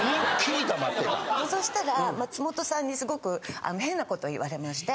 そしたら松本さんにすごく変なことを言われまして。